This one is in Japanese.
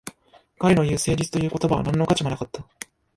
彼の言う誠実という言葉は何の価値もなかった